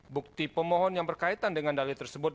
bukti pemohon yang berkaitan dengan dalih tersebut